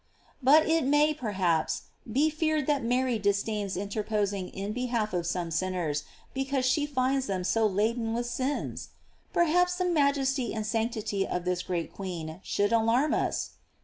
f But it may, perhaps, be feared that Mary dis dains interposing in behalf of some sinners, be cause she finds them so laden with sins ? Per haps the majesty and sanctity of this great queen should alarm us?